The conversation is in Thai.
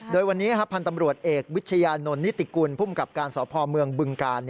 โดยวันนี้พันธ์ตำรวจเอกวิชญานนทนิติกุลภูมิกับการสพเมืองบึงกาล